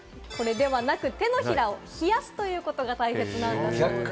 手のひらを冷やすということが大切なんです。